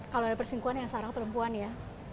kalau ada perselingkuhan yang sarang perempuan ya